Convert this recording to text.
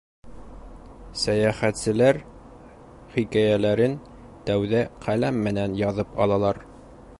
Сәйәхтселәр хикәйәләрен тәүҙә ҡәләм менән яҙып алалар.